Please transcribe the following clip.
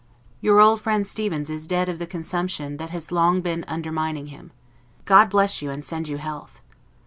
Your old friend Stevens is dead of the consumption that has long been undermining him. God bless you, and send you health.